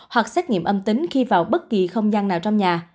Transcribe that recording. hoặc xét nghiệm âm tính khi vào bất kỳ không gian nào trong nhà